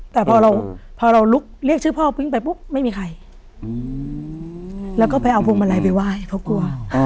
แต่พอเราพอเราลุกเรียกชื่อพ่อพึ่งไปปุ๊บไม่มีใครแล้วก็ไปเอาพวงมาลัยไปไหว้เพราะกลัว